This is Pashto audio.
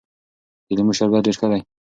د لیمو شربت ډېر ښه دی.